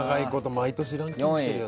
毎年ランキング出てるよ。